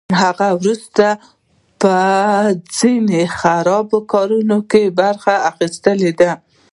هغه وروسته په ځینو خرابو کارونو کې برخه اخیستې ده